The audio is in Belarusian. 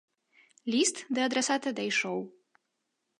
Ліст да адрасата дайшоў.